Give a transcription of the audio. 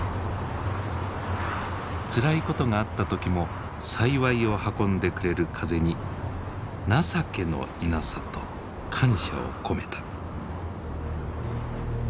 つらいことがあった時も幸いを運んでくれる風に「情けのイナサ」と感謝を込めた。